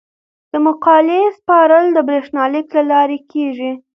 د مقالې سپارل د بریښنالیک له لارې کیږي.